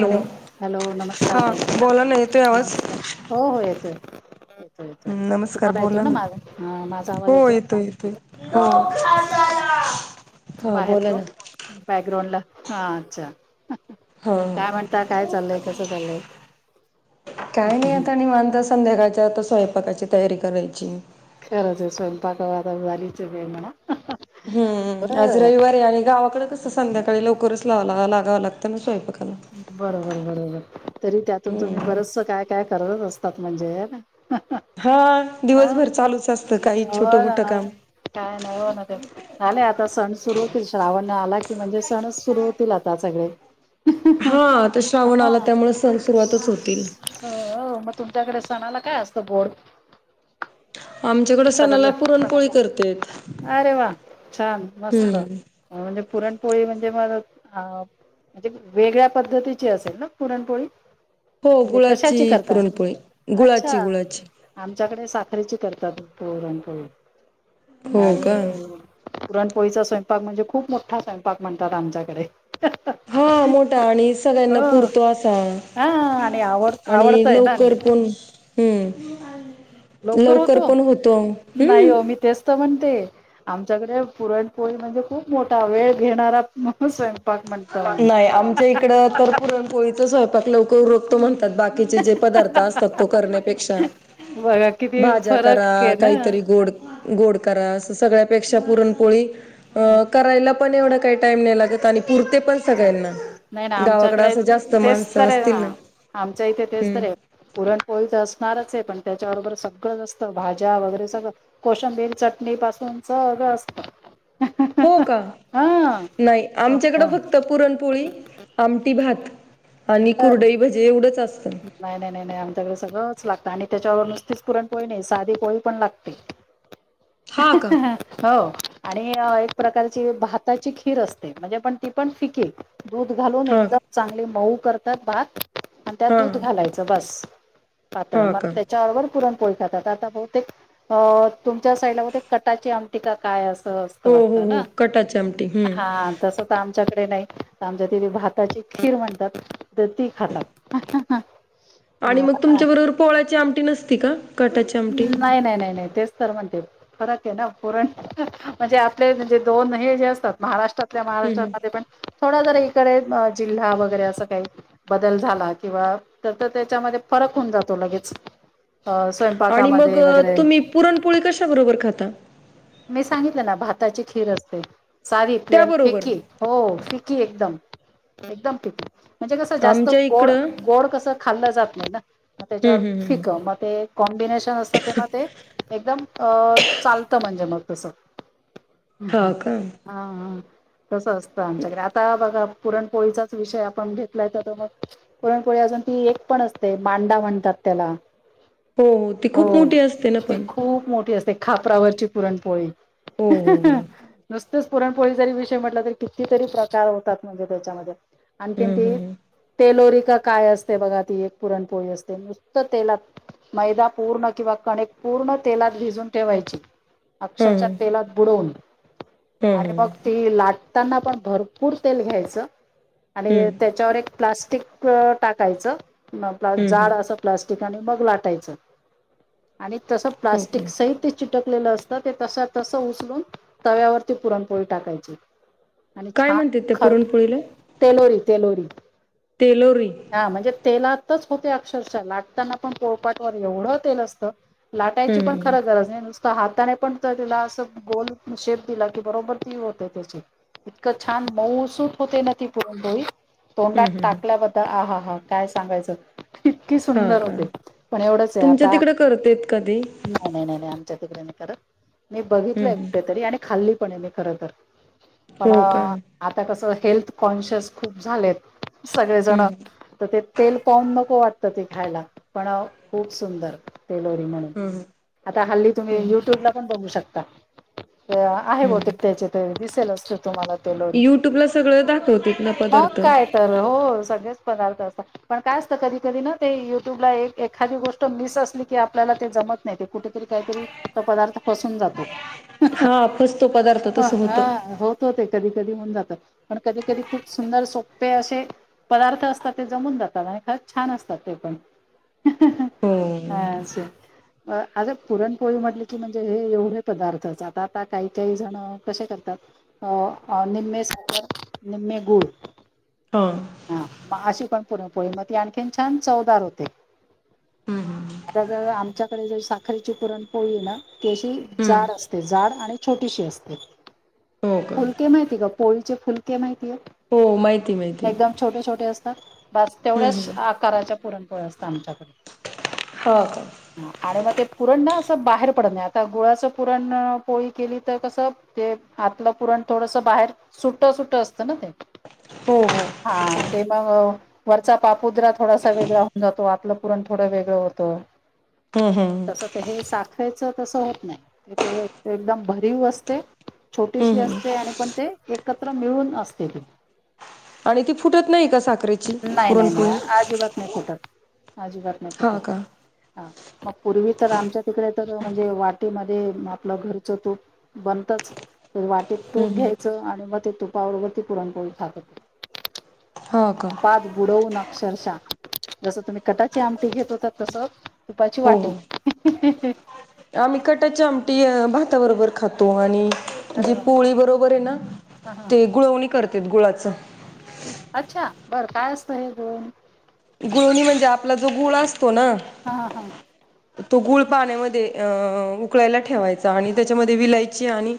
Hello. Hello नमस्कार हा ताई. बोला ना येतोय आवाज नमस्कार. हो हो येतोय. येतोय येतोय. नमस्कार तुम्हाला येतोय बोला ना माझा. हा माझा आवाज हो येतोय? येतोय हो [inaudible] हा बोला ना. बॅकग्राऊंडला. हा अच्छा. हा काय म्हणता? काय चाललंय? कसं चाललंय? काय नाही आता निवांत संध्याकालच्या आता स्वयंपाकाची तयारी करायची. खरच आहे स्वयंपाक करायची आता झालीच वेळ म्हणा. अ हं. हं आज रविवार आहे आणि गावाकड कसं संध्याकाळी लवकरच लावा ला लागाव लागतं ना स्वयंपाकाला. बरोबर बरोबर. तरी त्यातून तुम्ही हम्म बरचस काय काय करत असतात म्हणजे. [inaudible] हा हा दिवसभर चालूच असतं काही छोटं मोठ काम. काही नाही हो ना ते. आले आता सण सुरू होतील श्रावण आला की म्हणजे सणच सुरु होतील आता सगळे. हो. आता श्रावण आला हा त्यामुळे सन सुरुवातच होतील. हो. ओ म तुमच्याकडे सणाला काय असतं मग गोड? आमच्याकडं पदार्थ, अरे वा छान मस्त. हम्म हं म्हणजे पुरणपोळी म्हणजे म हा अ म्हणजे वेगळ्या पद्धतीची असेल ना पुरणपोळी. हो म्हणजे कशाची गुळाची करता पुरणपोळी अच्छा, गुळाची गुळाची आमच्याकडे साखरेची करतात पुरणपोळी हो का आणि पुरणपोळीचा स्वयंपाक म्हणजे खूप मोठा स्वयंपाक म्हणतात आमच्याकडे. हा मोठा, आणि हो सगळ्यांना पुरतो असा. हा आणि आवड आणि आवडतय ना लवकर पण हम्म. लवकर पण होतो हम्म. तेचं म्हणते. आमच्याकडे पुरणपोळी म्हणजे खूप मोठा वेळ घेणारा म्हणू स्वयं नाही आमच्या इकडं तर पुरणपोळीचा स्वयंपाक लवकर हुरकतो म्हणतात बा बाकीचे जे पदार्थ असतात तो करण्यापेक्षा बघा किती भाज्या करा फरक आहे ना. काहीतरी गोड गोड करा असं सगळ्यापेक्षा पुरणपोळी अ- करायला पण एवढ काही टाइम नाही लागत आणि पुरते पण अच्छा, सगळ्यांना नाही ना गावाकडे आमच्याकडे असं जास्त तेचं माणसं तर असतील आहे ना आमच्या इथे तेच हम्म तर आहे. पुरणपोळी तर असणारच आहे पण त्याच्याबरोबर सगळं असतं भाज्या वगैरे सगळं. कोशिंबीर चटणी पासून सगळं असत. हो का नाही आमच्याकडं फक्त पुरणपोळी आमटी भात. आणि बर कुरडई, भजे एवढंच असत. नाही -नाही -नाही आमच्याकडे सगळंच लागतं आणि त्याच्यावर नुसतीच पुरण पोळी नाही साधी पोळी पण लागते. ह हा का ह. हो आणि एक प्रकारची भाताची खीर असते म्हणजे पण ती पण फिके. दूध घालून हा एकदम का चांगले मऊ करतात भात आणि त्यात हा दूध घालायचं बस. पातळ हा मग का त्याच्यारोबर पुरण खात आता बहुतेक तुमच्या साईडलाते कटाची [inaudible] त काय असं असत हो वाटत हो हो ना कटाची आमटी हम्म हा तसं आमच्याकडे नाही आमच्या तिथे भाताची, खीर म्हणतात तर ती खातात. हा. आणि मग तुमच्या बरोबर पोळ्याची आमटी नसती का? कटाची आमटी हम्म नाही - नाही - नाही - नाही तेचं. सर म्हणते फरक आहे ना पुरण म्हणजे आपले म्हणजे दोन हे जे असतात महाराष्ट्रात हम्म. महाराष्ट्रामध्ये, पण थोडा इकडे जिल्हा वगैरे असं काही. बदल झाला किंवा तर त्याच्यामध्ये फरक होऊन जातो लगेच स्वयंपाक. आणि मग तुम्ही पुरणपोळी कशा बरोबर खाता? मी सांगितलं ना भाताची खीर असते सारीतले त्याबरोबर फिकी. हो फिकी एकदम - एकदम फिकी. म्हणजे कसं जास्त आमच्या गोड- इकडं गोड कसं खाल्लं जात नाही ना. मग हम्म त्याच्या हम्म हम्म फिक म ते कॉम्बिनेशन असतं तेव्हा ते एकदम अ -चालतं म्हणजे मग तसं हा का हा तसं असतं आमच्याकडे आता बघा पुरणपोळीचाच विषय आपण घेतलाय तर मग पुरणपोळी अजून ती एक पण असते मांडा म्हणतात त्याला. हो ती खूप हो मोठी असते ना ते, पण खूप मोठी असते, खापरावरची पुरणपोळी हो हो हो नुस च पुरणपोळी जरी विषय म्हटलं तरी कितीतरी प्रकार होतात म्हणजे त्याच्यामध्ये आणखीन हम्म ती हम्म तेलोरिका काय असते बघा ती एक पुरणपोळी असते नुसत तेलात मैदा पूर्ण किंवा कणेक पूर्ण तेलात भिजून ठेवायची हम्म अक्षरशः हम्म तेलात बुडवून हम्म आणि मग हम्म ती लाटताना पण भरपूर तेल घ्यायचं आणि हं, त्याच्यावर एक प्लास्टिक टाकायचं प्ला हं, हं. जाड असं प्लास्टिक आणि मग लाटायचं, आणि तसं हो का? प्लास्टिक सहित चिटकलेलं असतं ते तश तस उचलून तव्यावरती पुरणपोळी टाकायची, आणि काय छान म्हणतात त्या खर पुरणपोळीला? तेलोरी तेलोरी तेलोरी. हा म्हणजे तेलातच होते अक्षरशः लाटताना पण पोळपाटवर एवढं तेल असतं लाटायची हं, पण हं, खरं गरज नाही नुसत हाताने पण त्याला असं गोल शेप दिला की बरोबर ती होते त्याची इतकं छान मऊसूत होते ना ती पुरण पोळी हं, तोंडात हं, हं. टाकल्याबद्दल आ हा हा काय सांगायचं, इतकीे हां सुंदर का? होते पण एवढंच आहे तुमच्या आता तिकडे करतेत का ते? नाही नाही नाही नाही आमच्या तिकडे नाही करत मी बघितलं हं, हं. एकटेतरी आणि खाल्ली खर तर पण हो का? आता कस हेल्थ कॉन्शियस खूप झालेत सगळेजण हं, हं, तर ते तेल पाहून नको वाटतं ते खायला पण खूप सुंदर टेलोरी म्हणून हं, आता हल्ली तुम्ही हं, युट्यूबला पण बघू शकता आहे हं, बोते त्याच्यात दिसेल, असतो तुम्हाला तेलोरी युट्यूबला सगळं दाखवत ना मग पदार्थ काय तर हो सगळेच पदार्थ अस पण काय असतं कधी कधी ना ते युट्यूबला एक एखादी गोष्ट मिस असते, की आपल्याला ते जमत नाही ते कुठेतरी काहीतरी पदार्थ फसून जातो. हा फसतो पदार्थ तस होतं हो ते कधी कधी होऊन जात पण कधी कधी खूप सुंदर सोपे असे पदार्थ असतात ते जमून जातात आणि खरं छान असतात, ते पण हो. हा से आज पुरणपोळी म्हटली की म्हणजे हे एवढे पदार्थच आता आता काही काही जण कसे करतात, अ निमे सागर निमे गूळ हा हा मग अशी पण पुरणपोळी मग ती आणखीन छान चवदार होते हं, हं, हं. आता जर आमच्याकडे जर साखरेची पुरण पोळी ना त्याशी हं. जाड असते जाड आणि छोटीशी, असते. हो का? फुलके माहिती का पोळीचे फुलके माहितीय हो माहिती, आहे माहिती. एकदम छोटे, छोटे असतात बस हं, तेवढ्याच हं. करायच्या पुरणपोळ्या असतं आमच्याकडे हो का [unintelligible] आणि मग ते पुरण ना असं बाहेर पडत नाही, आता गुळाचं पुरण पोळी केली तर कसं ते आतलं पुरण थोडस बाहेर सुट, सुट असतं ना ते हो, हो. हा ते मग वरचा पापुद्रा थोडासा वेगळा होऊन, जातो आतलं पुरण थोडं वेगळं होत तो [unintelligible] हा हम हे साखरेचं तस होत नाही ते एकदम भरीव असते. छोटीशी हं, हं. असते आणि पण ते एकत्र मिळून असते ती. आणि ती फुटत नाही कासा नाही नाही नाही आजिबात नाही फुटत. आजिबात नाही हा फुटत का हम्म, हा मग पूर्वी तर आमच्या तिकडे तर म्हणजे वाटीमध्ये आपल घरच तूप बनतच. तर वाटेत तूप हम्म. घ्यायच आणि मग ते तुपावररोबर ती पुरणपोळी खातत. हो का? तुपाात बुडवून अक्षरशः जस तुम्ही कटाची आमटी घेत होता तस. तुपाची हो वाटी. हो आम्ही कटाची आमटी भाताबरोबर खातो आणि अरे जी वा पोळी बरोबर आहे ना हा हा ते गुळवणी करत्यात गुळाच. अच्छा. बर काय असत हे दण गुळनी म्हणजे आपला जो गुळ असतो ना, हा हा तो गूळ पाण्यामध्ये अ उकळायला ठेवायचा आणि त्याच्यामध्ये विलायची आणि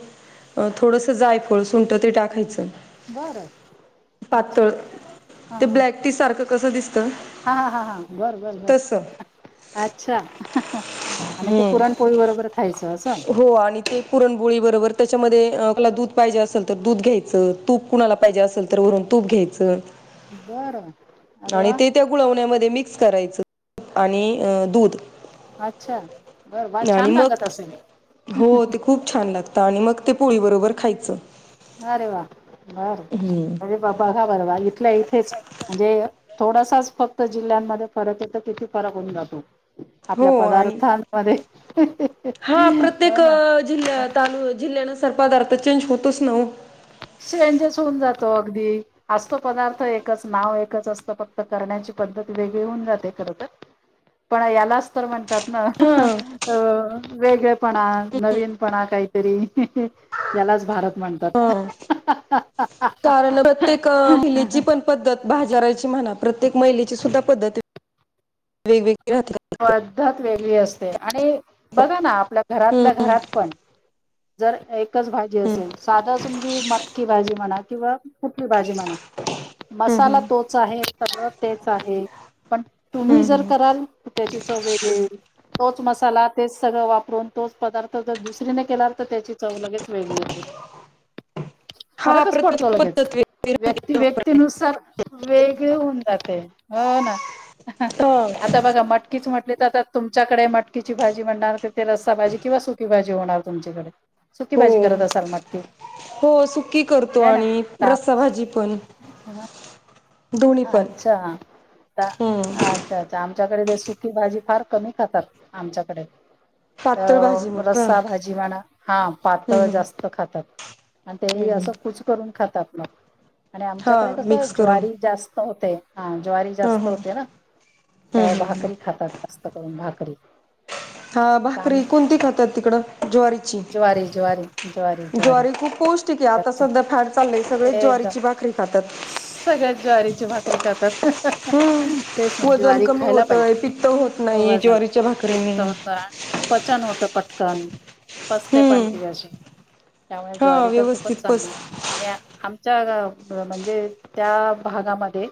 थोडंस जायफळ सुंठ ते टाकायच. बर. अच्छा हा -हा ती सारख कस दिसत. हा -हा हा हा. बर बर बर अच्छा. आणि ते हम्म पुरणपोळी बरोबर खायच अस हो आणि ते पुरणबोळी बरोबर त्याच्यामध्ये कुला दूध पाहिजे असेल तर दूध घ्यायच तूप कुणाला पाहिजे असेल तर वरून तूप घ्यायच. [unintelligible] बर अरे वा. त्या गुळवण्यामध्ये मिक्स करायच आणि दूध. अच्छा बर बर. आणि छान लागत मग असेल. हो ते खूप छान लागत आणि मग ते पोळी बरोबर खायच. अरे वा बर अरे बा बघा बर वा इथल्या इथेच. म्हणजे थोडासाच फक्त जिल्ह्यांमध्ये फरक येत तिथती फरक होऊन जातो. हो आपल्या आणि पदार्थांमध्ये. हा हो प्रत्येक ना जिल्या ताल जिल्ह्यानुसार पदार्थ चेंज होतोच ना हो. चेंज च होऊन जातो अगदी. असतो पदार्थ एकच नाव एकच असत फक्त करण्याची पद्धत वेगळी होऊन जाते खर तर पण यालाच तर म्हणतात ना. हा हो वेगळ पणा, नवीनपणा काहीतरी यालाच भारत म्हणतात. हा हा कारण प्रत्येक महिलेची पण पद्धत भाजारायची म्हणा प्रत्येक महिलेची सुद्धा पद्धत [inaudible] वेगवेगळ राहतात. पद्धत वेगळी असते आणि बघा ना आपल्या हम्म घरातल्या घरात पण जर एकच भाजी हम्म असेल साधाच म्हणजे मटकी भाजी म्हणा किंवा कुठली भाजी म्हणा हम्म मसाला हम्म तोच आहे सगळ तेच आहे, पण तुम्ही हम्म जर हम्म कराल त्याची चव वेगळी तोच मसाला, तेच सगळ वापरून, तोच पदार्थ, जर दुसरीने केला तर त्याची चव लगेच वेगळी येते. हा फरकच प्रत्येक पडतो लगेच पद्धत वेगळी व्यक्ति व्यक् व्यक्तीनुसार वेगळे होऊन जाते. ह ना! हो! त बघा म मटकीच म्हटली तर आ तुमच्याकडे मटकीची भाजी बनणार का ते रस्सा भाजी किंवा सुकी भाजी होणार तुमच्याकडे सुकी भाजी हो करत असाल मटकी? हो सुकी करतो है ना आणि रसाभजी पण. दोन्ही पण अच्छा ता हम्म अच्छा, अच्छा! आमच्याकडे ते सुकी भाजी फार कमी खातात आमच्याकडे पातळ भाजी मग अ का हम्म रसाभजी म्हणा हा पातळ हम्म जास्त खातात. आणि तेही हम्म हम्म असं कुच करून खातात मग आणि आमच्याकडे हा कसं मिक्स करून ज्वारी जास्त होते. हा ज्वारी हा जास्त हा होते ना, हम्म तर हम्म भाकरी खातात जास्त करून भाकरी. हा ताम भाकरी कोणती खातात तिकडं ज्वारीची? ज्वारी खूप पौष्टिक आहे. आता अच्छा. सध्या फॅड चाललय सगळे ज्वारीची भाकरी खातात. सगळेच ज्वारीची भाकरी खातात. तेच हम्म म्हणजे वजन ज्वारी कमी खायला होतय पाहिजे. पित्त होत नाही वजन, ज्वारीच्या भाकरीने पित्त होत- पचन होत पटकन पचते पण हम्म ती अशी. त्यामुळे हा ज्वारी तर खूपच व्यवस्थित पस चांगलीय. आणि आमच्या अ म्हणजे त्या भागामध्ये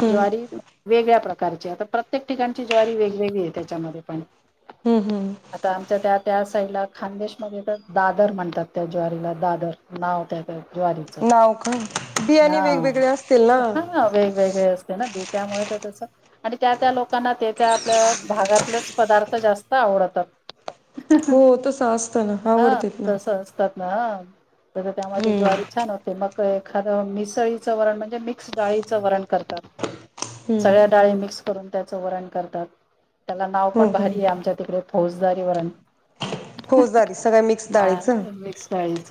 हम्म ज्वारी वेगळ्या प्रकारची ये आता प्रत्येक ठिकाणची ज्वारी वेगवेगळी आहे त्याच्यामध्ये पण. हम्म हम्! आता आमच्या त्या त्या साईडला खान्देशमध्ये तर दादर म्हणतात. त्या ज्वारीला दादर. नाव त्या त्या ज्वारीचं. हाव का? बियाणे वेगवेगळे असतील ना ह हा वेगवेगळे असते ना बी त्यामुळे तर तस आणि त्या त्या लोकांना ते त्या आपल्या भागातलच पदार्थ जास्त आवडतात. हो तसं असतं ना आवडतेत ना. तात ना हा तर त्यामुळे ती हम्म ज्वारी छान होते मग काय आ मिसळीचं वरण म्हणजे मिक्स डाळीचं वरण करतात- हम्म सगळ्या डाळी मिक्स करून त्याचं वरण करतात त्याला नाव हम्म पण भारी हम्म आहे आमच्या तिकडे. फौजदारी वरण. फौजदारी सगळ्या मिक्स हा डाळीचं मिक्स डाळीच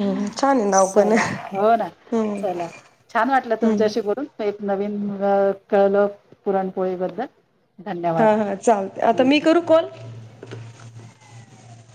हम्म छान आहे नाव पण चला. हो ना हम्म चला, छान वाटलं हम्म तुमच्याशी बोलू- एक नवीन अ कळलं पुरणपोळी बद्दल. हा हा चालते आता मी करू कॉल?